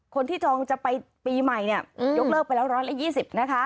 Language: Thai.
จองจะไปปีใหม่เนี่ยยกเลิกไปแล้ว๑๒๐นะคะ